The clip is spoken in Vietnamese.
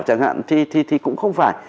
chẳng hạn thì cũng không phải